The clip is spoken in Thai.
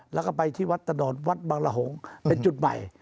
แล้วก็ไปที่วัดตะโดดวัดบังละหงษ์เป็นจุดใหม่